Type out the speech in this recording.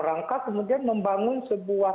rangka kemudian membangun sebuah